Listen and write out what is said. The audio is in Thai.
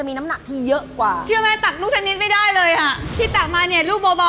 หมายเลข๘กระติบ